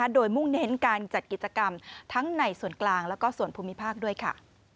โดยมุ่งเน้นการจัดกิจกรรมทั้งในส่วนกลางแล้วก็ส่วนภูมิภาคด้วยค่ะ